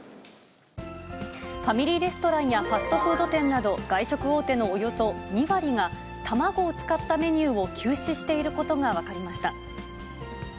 ファミリーレストランや、ファストフード店など、外食大手のおよそ２割が、卵を使ったメニューを休止していることが分かりました。